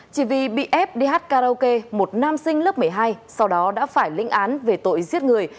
chỉ vì bị ép dh karaoke một nam sinh lớp một mươi hai sau đó đã phải lĩnh án về tội giết người